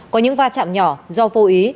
có những va chạm nhỏ do vô ý